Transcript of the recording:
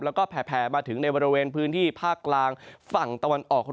แล้วก็แผ่มาถึงในบริเวณพื้นที่ภาคกลางฝั่งตะวันออก